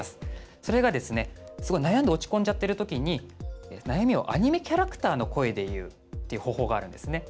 それが、悩んで落ち込んでいるときに悩みをアニメキャラクターの声で言うという方法があるんです。